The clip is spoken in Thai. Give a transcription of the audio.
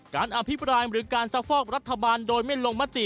อภิปรายหรือการซักฟอกรัฐบาลโดยไม่ลงมติ